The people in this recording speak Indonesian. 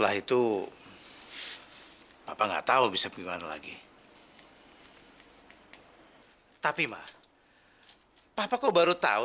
hai setelah itu